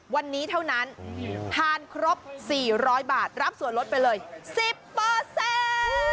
วันนี้เท่านั้นทานครบ๔๐๐บาทรับส่วนลดไปเลย๑๐เปอร์เซ็นต์